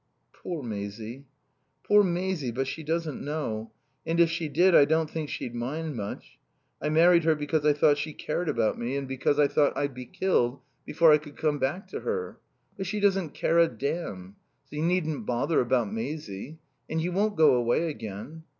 "Poor Maisie." "Poor Maisie. But she doesn't know. And if she did I don't think she'd mind much. I married her because I thought she cared about me and because I thought I'd be killed before I could come back to her But she doesn't care a damn. So you needn't bother about Maisie. And you won't go away again?"